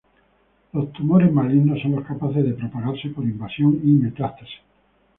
Los tumores malignos son los capaces de propagarse por invasión y metástasis.